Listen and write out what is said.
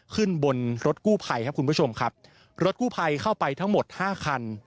ขึ้นบนรถกู้ภัยครับคุณผู้ชมครับรถกู้ภัยเข้าไปทั้งหมดห้าคัน